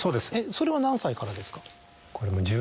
それは何歳からですか？